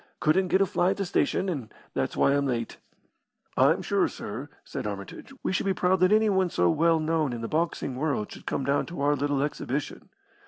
Couldn't get a fly at the station, and that's why I'm late." "I'm sure, sir," said Armitage, "we should be proud that anyone so well known in the boxing world should come down to our little exhibition."